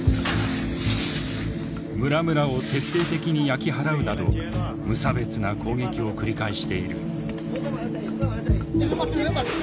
村々を徹底的に焼き払うなど無差別な攻撃を繰り返している。